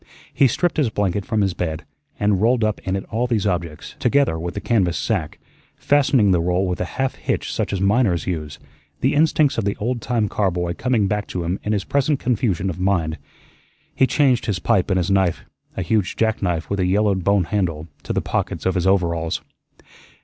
He stripped his blanket from his bed and rolled up in it all these objects, together with the canvas sack, fastening the roll with a half hitch such as miners use, the instincts of the old time car boy coming back to him in his present confusion of mind. He changed his pipe and his knife a huge jackknife with a yellowed bone handle to the pockets of his overalls.